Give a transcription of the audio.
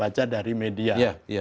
saya baca dari media